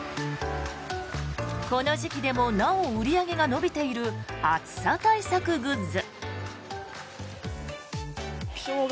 この時期でもなお売り上げが伸びている暑さ対策グッズ。